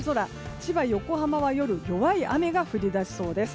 千葉、横浜は夜、弱い雨が降り出しそうです。